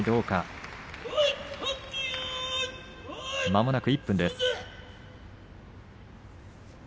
まもなく１分です。